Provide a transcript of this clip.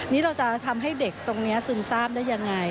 นี่เราจะทำให้เด็กตรงนี้ซึมทราบได้ยังไง